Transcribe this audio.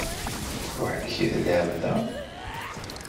Weḥd-k i telliḍ da?